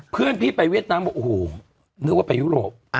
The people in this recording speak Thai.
เพื่อนพี่ไปเวียดนามบอกโอ้โหนึกว่าไปยุโรป